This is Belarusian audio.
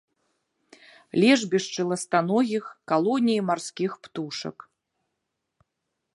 Лежбішчы ластаногіх, калоніі марскіх птушак.